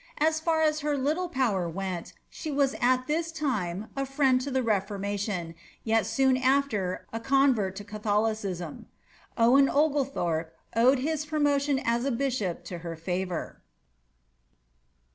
As far as her little power went she was at this time a friend to the Reformation, yet soon after a convert to Catholicism. Owen Oglethorpe owed his promotion as a bishop to her favour.